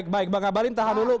baik bang abalin tahan dulu